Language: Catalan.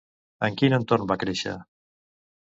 En quin entorn va créixer?